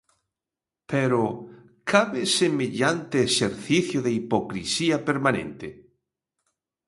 Pero ¿cabe semellante exercicio de hipocrisía permanente?